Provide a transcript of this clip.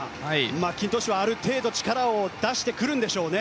マッキントッシュはある程度力を出してくるんでしょうね。